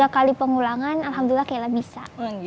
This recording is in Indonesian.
tiga kali pengulangan alhamdulillah kelah bisa